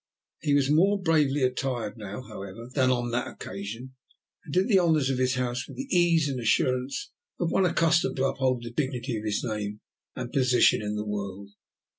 He was more bravely attired now, however, than on that occasion, and did the honours of his house with the ease and assurance of one accustomed to uphold the dignity of his name and position in the world.